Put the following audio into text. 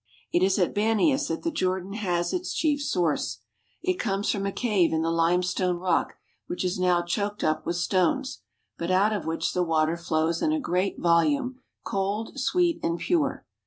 It is at Banias that the Jordan has its chief source. It 130 THE DEAD SEA AND THE JORDAN comes from a cave in the limestone rock which is now choked up with stones, but out of which the water flows in a great volume, cold, sweet, and pure.